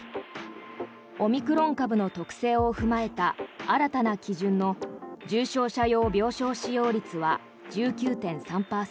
オミクロン株の特性を踏まえた新たな基準の重症者用病床使用率は１９．３％。